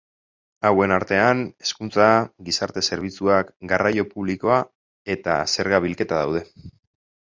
Hauen artean hezkuntza, gizarte zerbitzuak, garraio publikoa eta zerga-bilketa daude.